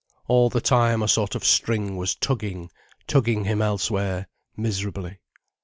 All the time a sort of string was tugging, tugging him elsewhere, miserably.